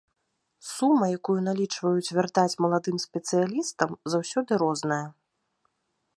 Сума, якую налічваюць вяртаць маладым спецыялістам, заўсёды розная.